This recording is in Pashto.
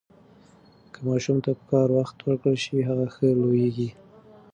که ماشوم ته پکار وخت ورکړل شي، هغه ښه لوییږي.